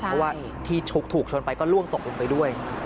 เพราะว่าที่ชุกถูกชนไปก็ล่วงตกลงไปด้วย